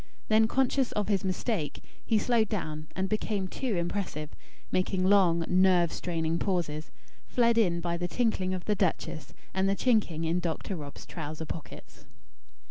Then conscious of his mistake, he slowed down, and became too impressive; making long nerve straining pauses, fled in by the tinkling of the duchess, and the chinking in Dr. Rob's trousers pockets.